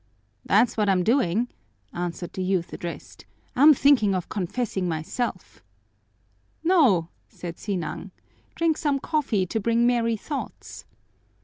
"That's what I'm doing," answered the youth addressed. "I'm thinking of confessing myself." "No," said Sinang, "drink some coffee to bring merry thoughts."